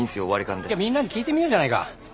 じゃみんなに聞いてみようじゃないか。